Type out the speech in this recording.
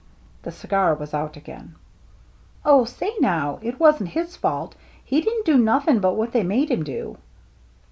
The cigar was out again. " Oh, say, now, it wasn't his fault. He didn't do nothing but what they made him do."